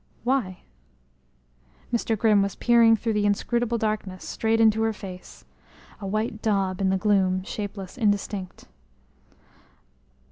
"Why?" Mr. Grimm was peering through the inscrutable darkness, straight into her face a white daub in the gloom, shapeless, indistinct.